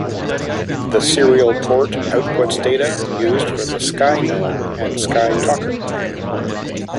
The serial port outputs data used for the Sky Gnome and Sky Talker.